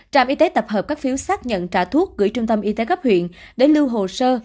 trạm y tế tập hợp các phiếu xác nhận trả thuốc gửi trung tâm y tế cấp huyện để lưu hồ sơ